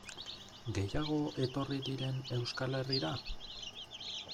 Gehiago etorri diren Euskal Herrira?